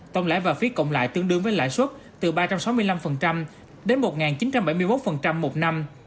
tổng lãi và phí cộng lại tương đương với lãi suất từ ba trăm sáu mươi năm đến một chín trăm bảy mươi một một năm